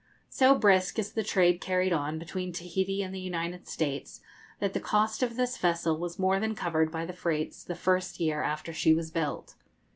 So brisk is the trade carried on between Tahiti and the United States, that the cost of this vessel was more than covered by the freights the first year after she was built.